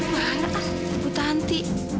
buta hari nanti